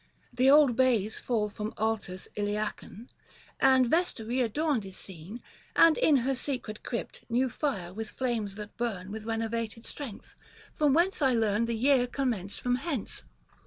The old bays fall from hoartho Iliacan, And Vesta readorned is seen ; and in Her secret crypt, new fire, with flames that burn With renovated strength ; from whence I learn 150 The year commenced from hence.